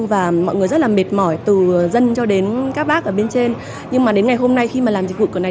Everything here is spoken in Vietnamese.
và mọi người rất là mệt mỏi từ dân cho đến các bác ở bên trên nhưng mà đến ngày hôm nay khi mà làm dịch vụ cửa này